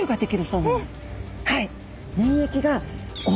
はい。